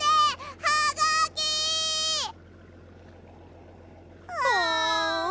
はがき！あ。